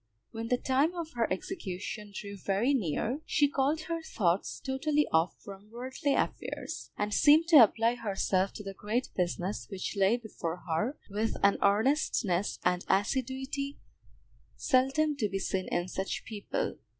When the time of her execution drew very near, she called her thoughts totally off from worldly affairs, and seemed to apply herself to the great business which lay before her, with an earnestness and assiduity seldom to be seen in such people.